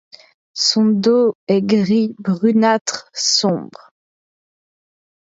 Son dos est gris brunâtre sombre.